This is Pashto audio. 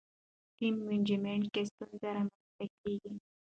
ټایم منجمنټ کې ستونزې رامنځته کېږي.